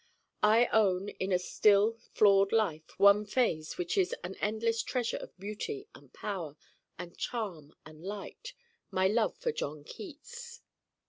I own in a still flawed life one phase which is an endless treasure of beauty and power and charm and light: my love for John Keats.